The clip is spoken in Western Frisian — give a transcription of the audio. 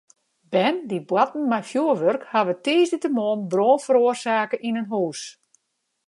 Bern dy't boarten mei fjoerwurk hawwe tiisdeitemoarn brân feroarsake yn in hús.